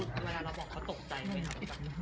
เวลาเราบอกเขาตกใจไหมครับ